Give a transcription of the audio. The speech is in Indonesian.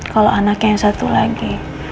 kalau anaknya yang satu lagi